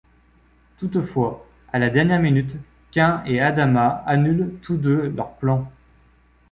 Toutefois, à la dernière minute, Cain et Adama annulent tous deux leurs plans.